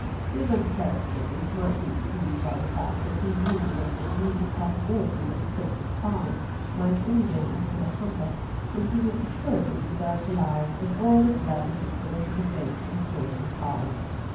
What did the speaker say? His uncharitableness might be excused by the fact that he viewed it as an immediate possibility that the Prince of Parma might any day enter the Humber, when he would assuredly be burnt alive, and Oil of Gladness exposed to the fate of the children of Haarlem.